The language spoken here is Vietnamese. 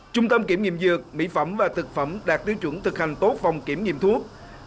trung tâm kiểm nghiệm dược mỹ phẩm và thực phẩm đạt tiêu chuẩn thực hành tốt phòng kiểm nghiệm thuốc